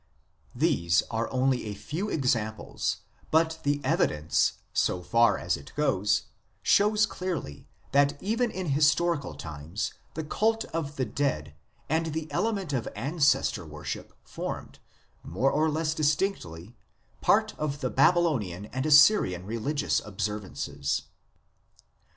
1 These are only a few examples, but the evidence, so far as it goes, shows clearly that even in historical times the Cult of the Dead and the element of Ancestor worship formed, more or less distinctly, part of the Babylonian and Assyrian religious observances.